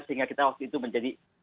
sehingga kita waktu itu menjadi